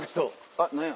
あっ何や？